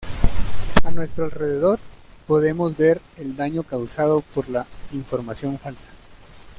A nuestro alrededor, podemos ver el daño causado por la información falsa".